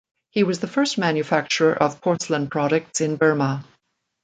He was the first manufacturer of porcelain products in Burma.